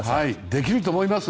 できると思います。